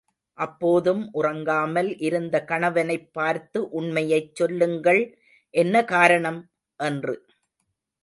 அப்போதும் உறங்காமல் இருந்த கணவனைப் பார்த்து உண்மையைச் சொல்லுங்கள், என்ன காரணம்? என்று.